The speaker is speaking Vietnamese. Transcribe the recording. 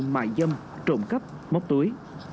mại dâm trộm cắp móc túi